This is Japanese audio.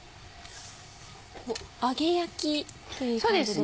揚げ焼きという感じですね。